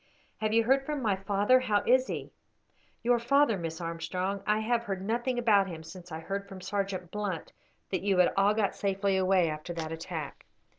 "Have you heard from my father? How is he?" "Your father, Miss Armstrong! I have heard nothing about him since I heard from Sergeant Blunt that you had all got safely away after that attack."